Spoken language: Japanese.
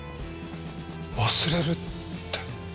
忘れるって。